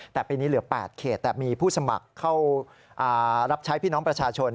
แต่ปีนี้เหลือ๘เขตแต่มีผู้สมัครเข้ารับใช้พี่น้องประชาชน